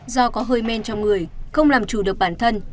do có hơi men trong người không làm chủ được bản thân